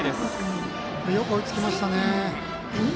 よく追いつきましたね。